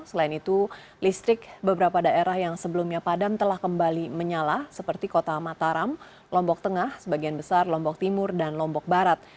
selain itu listrik beberapa daerah yang sebelumnya padam telah kembali menyala seperti kota mataram lombok tengah sebagian besar lombok timur dan lombok barat